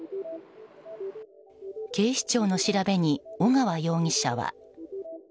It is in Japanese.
警視庁の調べに尾川容疑者は。